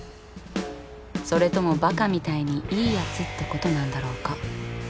それともばかみたいにいいやつってことなんだろうか。